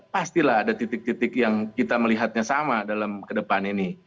pastilah ada titik titik yang kita melihatnya sama dalam ke depan ini